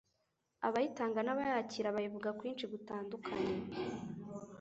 abayitanga n'abayakira bayivuga kwinshi gutandukanye